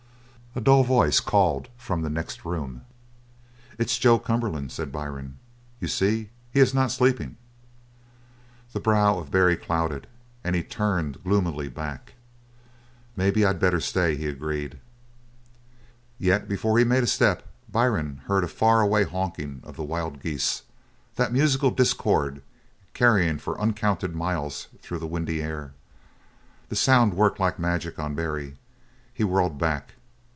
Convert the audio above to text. A dull voice called from the next room. "It's Joe Cumberland," said Byrne. "You see, he is not sleeping!" The brow of Barry clouded, and he turned gloomily back. "Maybe I better stay," he agreed. Yet before he made a step Byrne heard a far away honking of the wild geese, that musical discord carrying for uncounted miles through the windy air. The sound worked like magic on Barry. He whirled back.